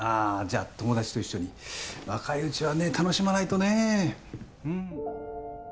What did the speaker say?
じゃあ友達と一緒に若いうちはね楽しまないとね